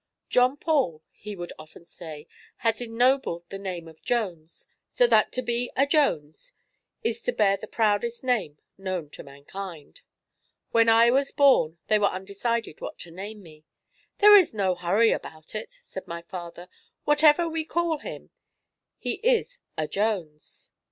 'John Paul,'" he would often say, 'has ennobled the name of Jones, so that to be a Jones is to bear the proudest name known to mankind.' When I was born they were undecided what to name me. 'There is no hurry about it,' said my father; 'whatever we call him, he is a Jones.'